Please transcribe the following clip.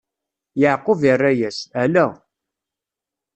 Yeɛqub irra-yas: Ala!